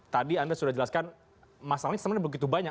tadi anda sudah jelaskan masalahnya sebenarnya begitu banyak